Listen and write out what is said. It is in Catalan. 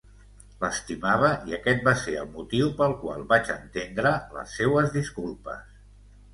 L'estimava i aquest va ser el motiu pel qual vaig entendre les seues disculpes.